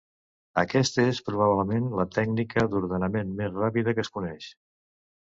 Aquesta és probablement la tècnica d'ordenament més ràpida que es coneix.